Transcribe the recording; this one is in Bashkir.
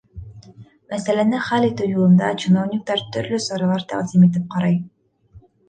Мәсьәләне хәл итеү юлында чиновниктар төрлө саралар тәҡдим итеп ҡарай.